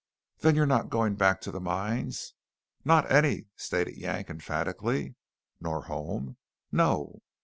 "Then you're not going back to the mines?" "Not any!" stated Yank emphatically. "Nor home?" "No."